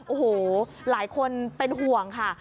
โอ้โหหลายคนเป็นห่วงค่ะ